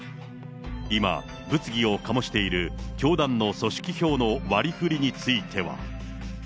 今、物議を醸している教団の組織票の割りふりについては。